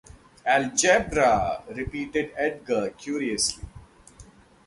“Algebra!” repeated Edgar curiously.